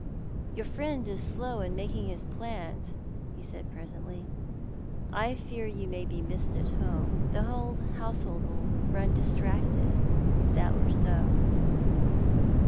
" Your friend is slow in making his plans," he said presently. "I fear you may be missed at home. The whole household would run distracted if that were so."